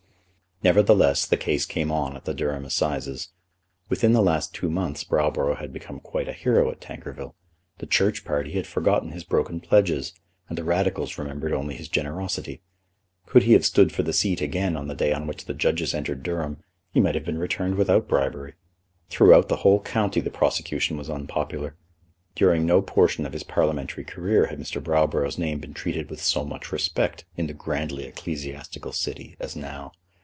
Nevertheless, the case came on at the Durham Assizes. Within the last two months Browborough had become quite a hero at Tankerville. The Church party had forgotten his broken pledges, and the Radicals remembered only his generosity. Could he have stood for the seat again on the day on which the judges entered Durham, he might have been returned without bribery. Throughout the whole county the prosecution was unpopular. During no portion of his Parliamentary career had Mr. Browborough's name been treated with so much respect in the grandly ecclesiastical city as now.